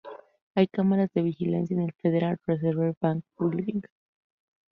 Hay cámaras de vigilancia en el Federal Reserve Bank Building.